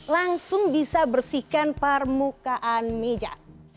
langsung bisa bersihkan permukaan meja